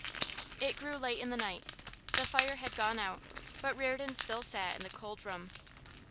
It grew late in the night. The fire had gone out, but Reardon still sat in the cold room.